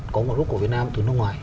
có một lúc của việt nam từ nước ngoài